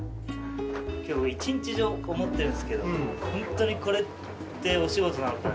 今日一日中思ってるんですけどホントにこれってお仕事なのか。